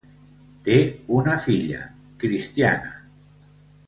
Té una filla, Cristiana.